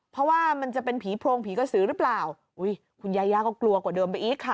เพราะว่ามันจะเป็นผีโพรงผีกระสือหรือเปล่าอุ้ยคุณยาย่าก็กลัวกว่าเดิมไปอีกค่ะ